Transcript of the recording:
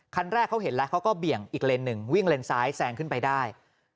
คันแรกเขาเห็นแล้วเขาก็เบี่ยงอีกเลนหนึ่งวิ่งเลนซ้ายแซงขึ้นไปได้